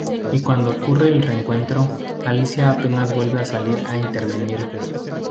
Y cuando ocurre el reencuentro Alicia apenas vuelve a intervenir.